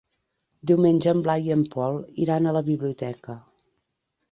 Diumenge en Blai i en Pol iran a la biblioteca.